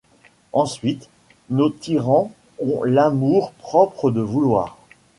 Ensuite, nos tyrans ont l’amour-propre de vouloir